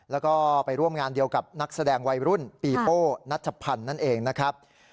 แล้วก็ไปร่วมงานเดียวกับนักแสดงวัยรุ่นปีโป้นัชพันธ์นั่นเองนะครับ